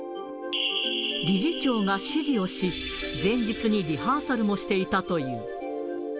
理事長が指示をし、前日にリハーサルもしていたという。